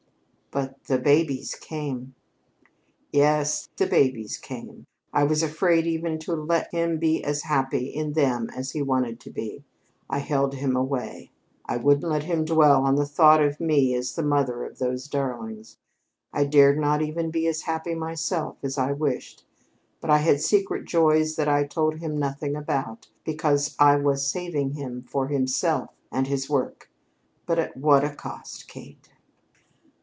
"But the babies came." "Yes, the babies came. I was afraid even to let him be as happy in them as he wanted to be. I held him away. I wouldn't let him dwell on the thought of me as the mother of those darlings. I dared not even be as happy myself as I wished, but I had secret joys that I told him nothing about, because I was saving him for himself and his work. But at what a cost, Kate!"